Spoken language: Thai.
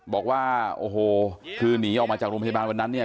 บอกว่าโอ้โหคือหนีออกมาจากโรงพยาบาลวันนั้นเนี่ย